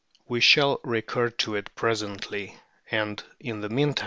We shall recur to it presently, and in the meantime * Arc/i.